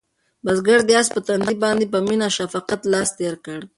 بزګر د آس په تندي باندې په مینه د شفقت لاس تېر کړ.